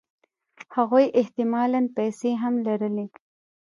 هغوی احتمالاً پیسې هم لرلې